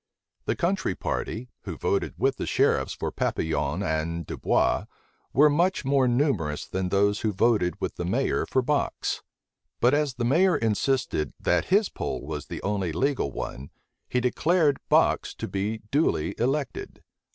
The country party, who voted with the sheriffs for Papillon and Dubois, were much more numerous than those who voted with the mayor for Box: but as the mayor insisted chat his poll was the only legal one, he declared Box to be duly elected.